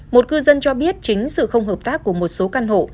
một cư dân cho biết chính sự không hợp tác của một số căn hộ